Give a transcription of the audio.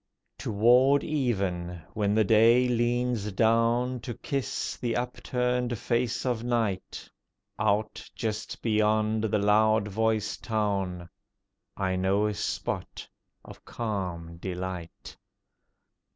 Toward even, when the day leans down To kiss the upturned face of night, Out just beyond the loud voiced town I know a spot of calm delight.